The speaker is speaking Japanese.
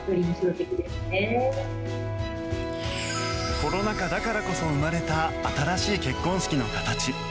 コロナ禍だからこそ生まれた新しい結婚式の形。